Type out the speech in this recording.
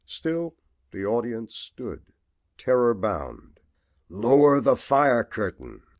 Still the audience stood, terror bound. "Lower the fire curtain!"